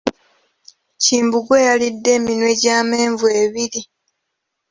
Kimbugwe yalidde eminwe gy'amenvu ebiri.